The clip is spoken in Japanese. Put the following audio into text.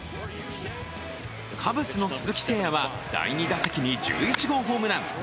カブスの鈴木誠也は第２打席に１１号ホームラン。